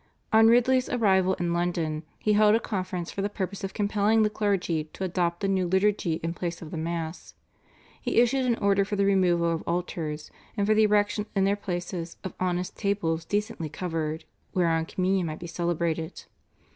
On Ridley's arrival in London he held a conference for the purpose of compelling the clergy to adopt the new liturgy in place of the Mass. He issued an order for the removal of altars, and for the erection in their places of "honest tables decently covered," whereon Communion might be celebrated.